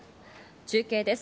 中継です。